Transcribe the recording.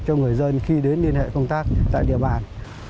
cho người dân khi đến liên hệ công tác tại địa bàn